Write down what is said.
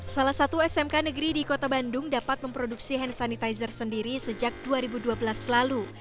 salah satu smk negeri di kota bandung dapat memproduksi hand sanitizer sendiri sejak dua ribu dua belas lalu